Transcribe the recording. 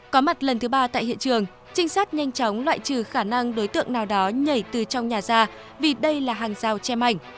có mặt lần thứ ba tại hiện trường trinh sát nhanh chóng loại trừ khả năng đối tượng nào đó nhảy từ trong nhà ra vì đây là hàng rào che ảnh